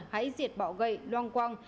hãy diệt bỏ gậy loang quang